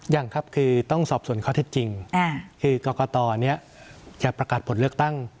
ยังครับคือต้องสอบส่วนข้อเท็จจริงคือกรกตจะประกาศผลเลือกตั้ง